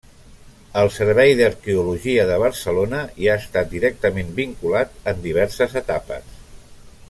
El Servei d'Arqueologia de Barcelona hi ha estat directament vinculat en diverses etapes.